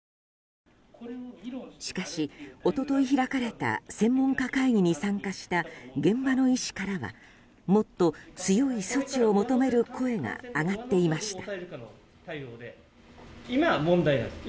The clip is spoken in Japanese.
しかし、一昨日開かれた専門家会議に参加した現場の医師からはもっと強い措置を求める声が上がっていました。